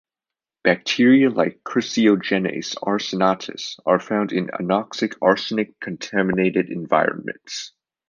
Bacteria like "Chrysiogenes arsenatis" are found in anoxic arsenic-contaminated environments.